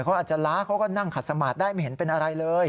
เขาอาจจะล้าเขาก็นั่งขัดสมาธิได้ไม่เห็นเป็นอะไรเลย